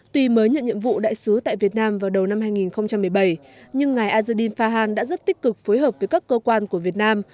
tuy mới nhận nhiệm vụ đại sứ tại việt nam vào đầu năm hai nghìn một mươi bảy nhưng ngài azudin fahan đã rất tích cực phối hợp với các cơ quan của việt nam